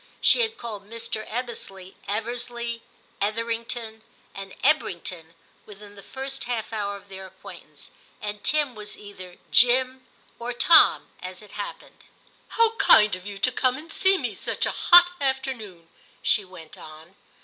She had called Mr. Ebbesley * Eversley,' ' Etherington,' and * Ebbrington ' within the first half hour of their acquaintance, and Tim was either * Jim or * Tom,' as it happened. VIII TIM 173 »—* How kind of you to come and see me such a hot afternoon/ she went on.